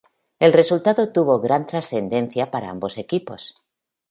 El resultado tuvo gran trascendencia para ambos equipos.